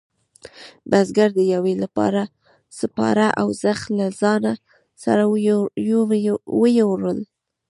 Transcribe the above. بزگر د یویې لپاره سپاره او زخ له ځانه سره وېوړل.